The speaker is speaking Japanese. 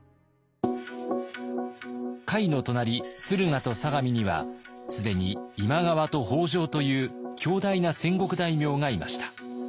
甲斐の隣駿河と相模には既に今川と北条という強大な戦国大名がいました。